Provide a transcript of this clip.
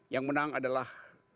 yang menang adalah